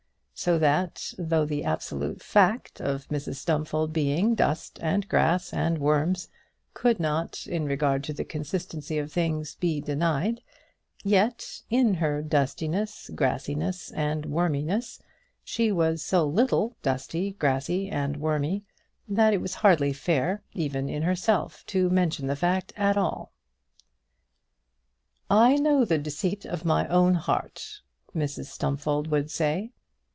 So that, though the absolute fact of Mrs Stumfold being dust, and grass, and worms, could not, in regard to the consistency of things, be denied, yet in her dustiness, grassiness, and worminess she was so little dusty, grassy, and wormy, that it was hardly fair, even in herself, to mention the fact at all. "I know the deceit of my own heart," Mrs Stumfold would say.